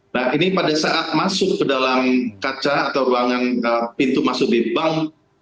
nah ini pada saat masuk ke dalam kaca atau ruangan pintu masuk di bank